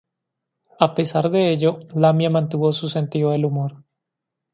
A pesar de ello, Lamia mantuvo su sentido del humor.